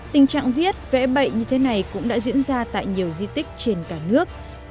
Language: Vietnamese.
tình trạng viết vẽ bậy như thế này cũng đã diễn ra tại nhiều di tích trên cả nước